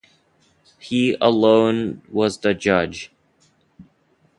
He alone was the judge.